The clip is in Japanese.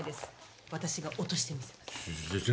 「私が落としてみせます」